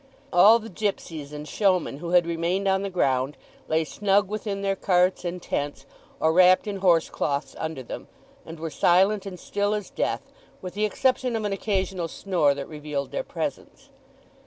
All the gipsies and showmen who had remained on the ground lay snug within their carts and tents or wrapped in horse cloths under them, and were silent and still as death, with the exception of an occasional snore that revealed their presence.